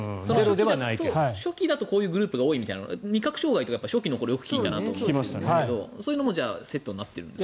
初期だとこういうグループが多いみたいな味覚障害とか初期の頃によく聞いたなと思いますがそういうのもセットになっているんですか。